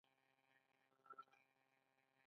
د انرژۍ سکتور ډیر عاید لري.